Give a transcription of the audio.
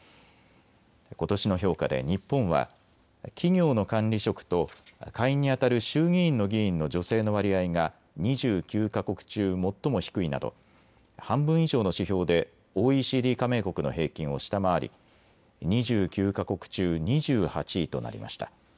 ことしの評価で日本は企業の管理職と下院にあたる衆議院の議員の女性の割合が２９か国中最も低いなど半分以上の指標でＯＥＣＤ加盟国の平均を下回り２９か国中、２８位となりました。